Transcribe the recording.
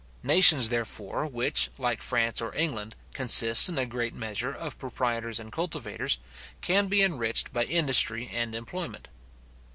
Nations, therefore, which, like France or England, consist in a great measure, of proprietors and cultivators, can be enriched by industry and enjoyment.